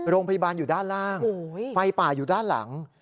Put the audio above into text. โรงพยาบาลอยู่ด้านล่างไฟป่าอยู่ด้านหลัง